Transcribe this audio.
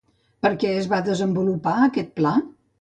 Per què es va desenvolupar aquest pla?